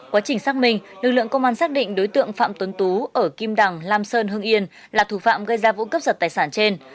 quá trình xác minh lực lượng công an xác định đối tượng phạm tuấn tú ở kim đằng lam sơn hương yên là thủ phạm gây ra vụ cướp giật tài sản trên